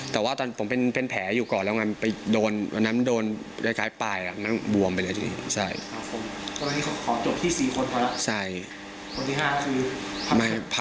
แต่ว่าตอนที่ผมเป็นแผลอยู่ก่อนนะไปโดนแบบนั้นโดนรายกายปลายอ้านนั้นเป็นรายกายบวมไปเลยสิ